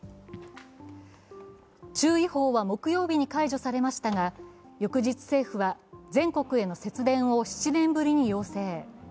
注意報は木曜日に解除されましたが、翌日、政府は全国への節電を７年ぶりに要請。